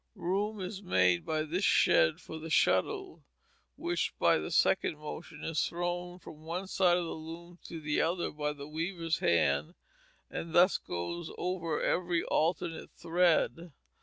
Room is made by this shed for the shuttle, which, by the second motion, is thrown from one side of the loom to the other by the weaver's hand, and thus goes over every alternate thread.